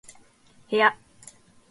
部屋